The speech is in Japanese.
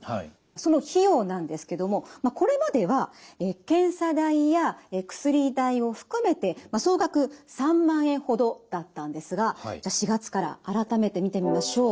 その費用なんですけどもこれまでは検査代や薬代を含めて総額３万円ほどだったんですがじゃあ４月から改めて見てみましょう。